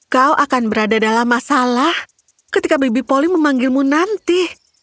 kau akan berada dalam masalah ketika bibi polly memanggilmu nanti